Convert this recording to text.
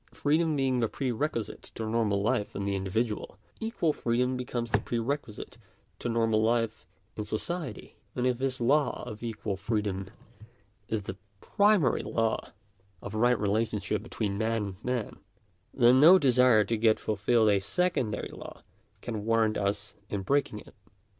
Freedom being the pre requisite to normal life in the individual, equal freedom becomes the pre requisite to normal life in society. And if this law of equal freedom is the prt Digitized by VjOOQIC DERIVATION OF A FIRST PRINCIPLE. 89 mary law of right relationship between man and man, then no desire to get fulfilled a secondary law can warrant us in break ing it.